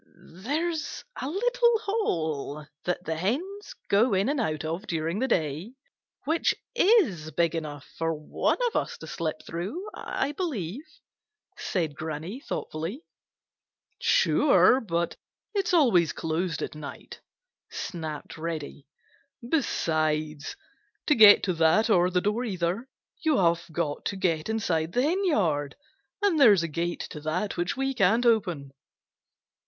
"There's a little hole that the hens go in and out of during the day, which is big enough for one of us to slip through, I believe," said Granny thoughtfully. "Sure! But it's always closed at night," snapped Reddy. "Besides, to get to that or the door either, you have got to get inside the henyard, and there's a gate to that which we can't open."